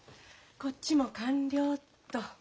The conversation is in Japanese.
こっちも完了っと。